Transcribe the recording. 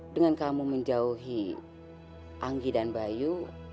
dengan kamu menjauhi anggi dan bayu